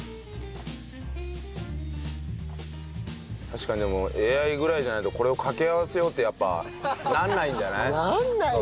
確かにでもＡＩぐらいじゃないとこれを掛け合わせようってやっぱならないんじゃない？ならないよ！